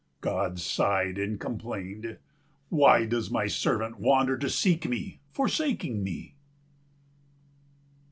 God sighed and complained, "Why does my servant wander to seek me, forsaking me?"